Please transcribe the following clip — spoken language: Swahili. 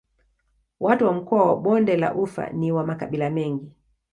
Watu wa mkoa wa Bonde la Ufa ni wa makabila mengi.